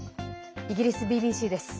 イギリスＢＢＣです。